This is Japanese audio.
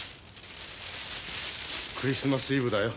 クリスマスイブだよ。